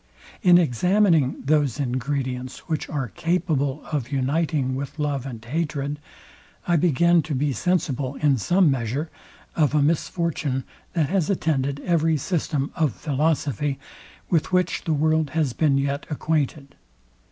In examining those ingredients, which are capable of uniting with love and hatred, I begin to be sensible, in some measure, of a misfortune, that has attended every system of philosophy, with which the world has been yet acquainted.